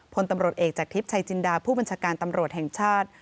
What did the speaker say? พลตำรวจเอกจากทิพย์ชัยจินดาผู้บัญชาการตำรวจแห่งชาติ